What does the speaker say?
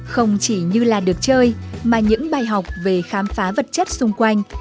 không chỉ như là được chơi mà những bài học về khám phá vật chất xung quanh